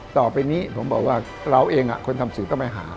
ต่อไปนี้ผมบอกว่าเราเองคนทำสื่อต้องไปหา